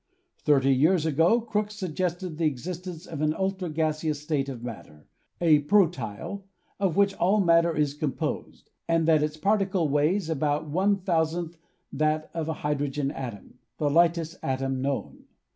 Thirty years ago Crookes suggested the existence of an ultra gaseous state of matter, a protyle, of which all matter is composed, and that its particle weighs about one thou sandth that of a hydrogen atom, the lightest atom known.